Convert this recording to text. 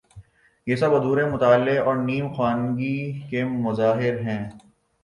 یہ سب ادھورے مطالعے اور نیم خوانگی کے مظاہر ہیں۔